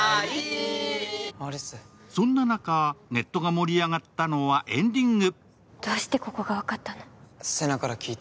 そんな中、ネットが盛り上がったのはエンディング。